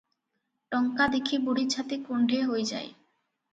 ଟଙ୍କା ଦେଖି ବୁଢ଼ୀ ଛାତି କୁଣ୍ଢେ ହୋଇଯାଏ ।